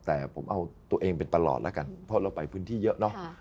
แต่ผมเอาตัวเองเป็นตลอดแล้วกันเพราะเราไปพื้นที่เยอะเนอะ